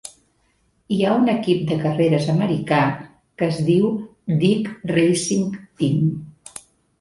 Hi ha un equip de carreres americà que es diu Dig Racing Team.